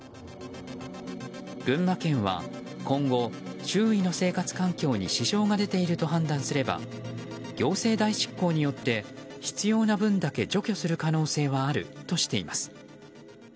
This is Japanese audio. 群馬県は今後、周囲の生活環境に支障が出ていると判断すれば行政代執行によって必要な分だけ除去する可能性はあるとしています。